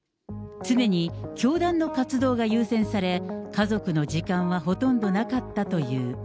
常に教団の活動が優先され、家族の時間はほとんどなかったという。